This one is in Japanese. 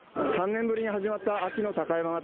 ３年ぶりに始まった秋の高山祭。